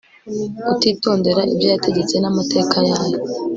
utitondera ibyo yategetse n amateka yayo